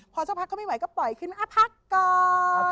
พอสักพักก็ไม่ไหวก็ปล่อยขึ้นมาพักก่อน